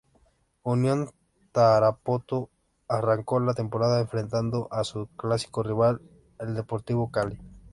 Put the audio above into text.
Unión Tarapoto arrancó la temporada enfrentando a su clásico rival, el Deportivo Cali.